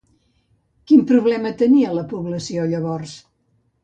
Quin problema tenia la població, llavors?